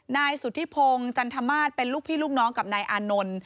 นายสุธิพงศ์จันทมาสเป็นลูกพี่ลูกน้องกับนายอานนท์